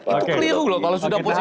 bisa itu keliru loh kalau sudah positif